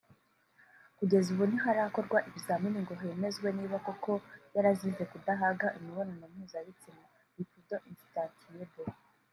Kugeza ubu ntiharakorwa ibizamini ngo hemezwe niba koko yarazize kudahaga imibonano mpuzabitsina (Libido insatiable)